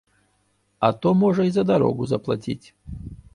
А то можа і за дарогу заплаціць.